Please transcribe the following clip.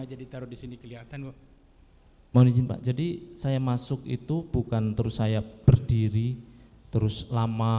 aja ditaruh di sini kelihatan mohon izin pak jadi saya masuk itu bukan terus saya berdiri terus lama